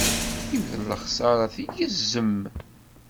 Yiwet n lexsara tgezzem.